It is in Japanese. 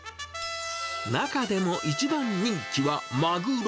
中でも一番人気はマグロ。